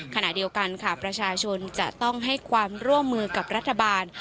ขณะเดียวกันค่ะประชาชนจะต้องให้ความร่วมมือกับรัฐบาล